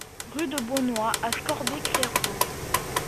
Rue de Bonnoy à Scorbé-Clairvaux